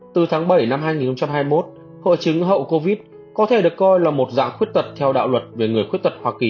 từ tháng bảy năm hai nghìn hai mươi một hội chứng hậu covid có thể được coi là một dạng khuyết tật theo đạo luật về người khuyết tật hoa kỳ